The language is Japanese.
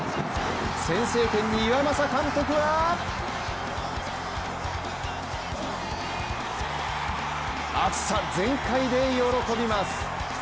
先制点に岩政監督は熱さ全開で喜びます。